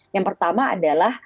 yang pertama adalah